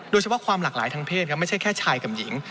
ความหลากหลายทางเพศครับไม่ใช่แค่ชายกับหญิง